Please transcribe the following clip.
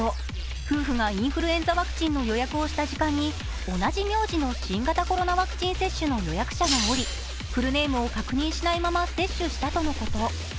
夫婦がインフルエンザワクチンの予約をした時間に同じ名字の新型コロナワクチン接種の予約者がおり、フルネームを確認しないまま接種をしたということ。